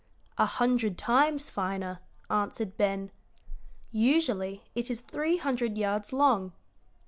"A hundred times finer," answered Ben. "Usually it is three hundred yards long.